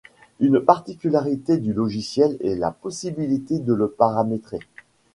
Une particularité du logiciel est la possibilité de le paramétrer.